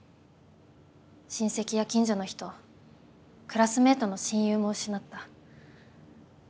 親戚や近所の人クラスメイトの親友も失った。